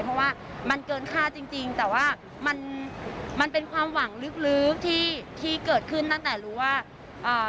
เพราะว่ามันเกินค่าจริงจริงแต่ว่ามันมันเป็นความหวังลึกลึกที่ที่เกิดขึ้นตั้งแต่รู้ว่าอ่า